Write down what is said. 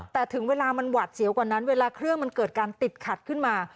แต่ถึงเวลามันหวาดเสียวกว่านั้นเวลาเครื่องมันเกิดการติดขัดขึ้นมา